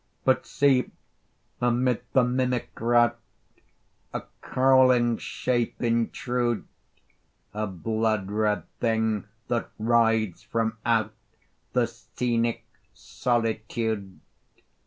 But see, amid the mimic rout A crawling shape intrude! A blood red thing that writhes from out The scenic solitude!